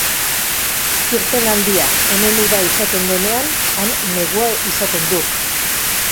Kirten handia, hemen uda izaten denean, han negua izaten duk!